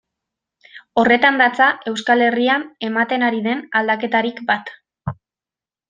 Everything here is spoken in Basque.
Horretan datza Euskal Herrian ematen ari den aldaketarik bat.